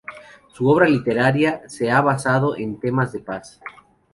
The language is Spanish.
Su obra literaria se ha basado en temas de paz.